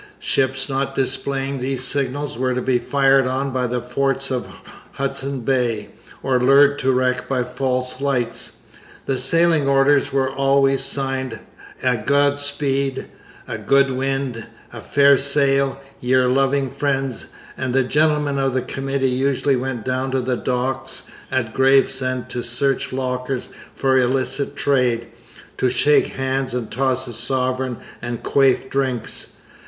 Ships not displaying these signals were to be fired on by the forts of Hudson Bay or lured to wreck by false lights. The sailing orders were always signed 'a God speede, a good wind, a faire saile, y'r loving friends'; and the gentlemen of the Committee usually went down to the docks at Gravesend to search lockers for illicit trade, to shake hands and toss a sovereign and quaff drinks.